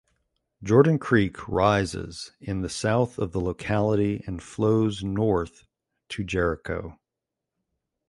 Jordan Creek rises in the south of the locality and flows north to Jericho.